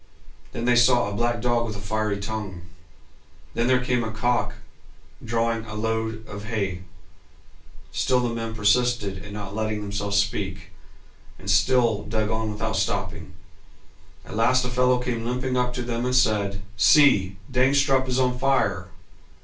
Then they saw a black dog with a fiery tongue. Then there came a cock drawing a load of hay. Still the men persisted in not letting themselves speak, and still dug on without stopping. At last a fellow came limping up to them and said "See, Dangstrup is on fire!"